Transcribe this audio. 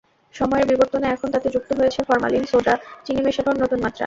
সময়ের বিবর্তনে এখন তাতে যুক্ত হয়েছে ফরমালিন, সোডা, চিনি মেশানোর নতুন মাত্রা।